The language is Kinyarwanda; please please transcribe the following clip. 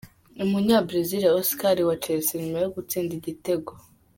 UmunyaBresil Oscar wa Chelsea nyuma yo gutsinda igitego.